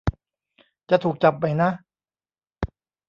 จะถูกจับไหมนะ